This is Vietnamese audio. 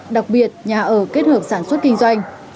đặc biệt nhà ở kết hợp sản xuất kinh doanh